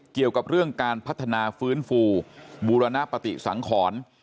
เกี่ยวกับเรื่องการพัฒนาฟื้นฟูบูรณปฏิสังขร